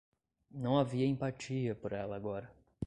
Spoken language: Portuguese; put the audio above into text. Não havia empatia por ela agora.